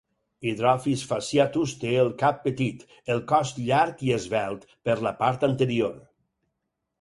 Hydrophis fasciatus té el cap petit, el cos llarg i esvelt per la part anterior.